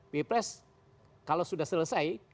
pilpres kalau sudah selesai